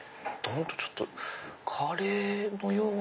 ちょっとカレーのような。